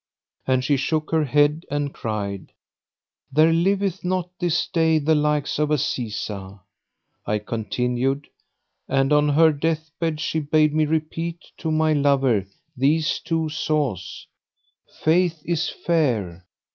And she shook her head and cried, "There liveth not this day the like of Azizah. I continued, "And on her death bed she bade me repeat to my lover these two saws, 'Faith is fair!